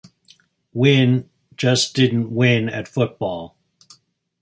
"Win" didn't just win at football.